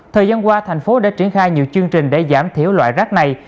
thời gian qua thành phố đã triển khai nhiều chương trình để giảm thiểu loại rác này